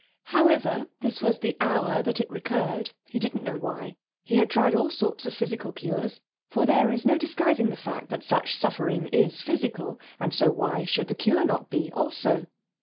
However, this was the hour that it recurred; he didn't know why. He had tried all sorts of physical cures for there is no disguising the fact that such suffering is physical, and so why should the cure not be, also?